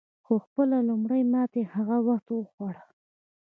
خو خپله لومړۍ ماته یې هغه وخت وخوړه.